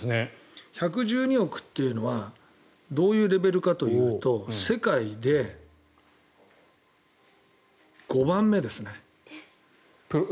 １１２億というのはどういうレベルかというと世界で５番目ですね。